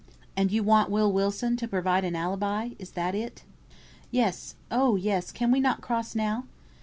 "And you want Will Wilson to prove an alibi is that it?" "Yes oh, yes can we not cross now?"